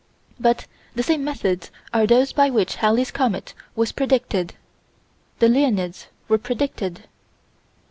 By the same methods as those by which Halley's comet was predicted, the Leonids were predicted.